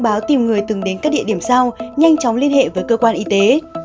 báo tìm người từng đến các địa điểm sau nhanh chóng liên hệ với cơ quan y tế